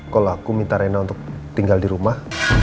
kalo aku minta reina untuk tinggal di rumah